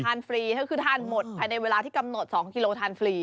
ฟรีก็คือทานหมดภายในเวลาที่กำหนด๒กิโลทานฟรี